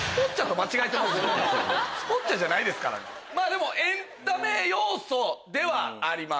でもエンタメ要素ではあります。